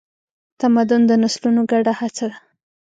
تمدن د نسلونو ګډه هڅه ده.